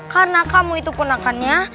karena kamu itu punakannya